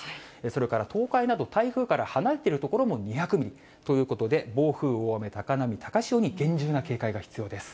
それから東海など台風から離れている所も２００ミリということで、暴風、大雨、高波、高潮に厳重な警戒が必要です。